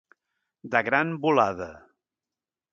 De gran volada.